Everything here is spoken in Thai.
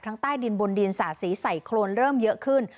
ทั้งใต้ดินบนดินสาธิสัยโครนเริ่มเยอะขึ้น